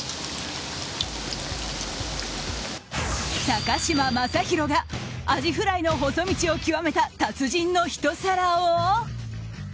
高嶋政宏がアジフライの細道を極めた達人のひと皿を。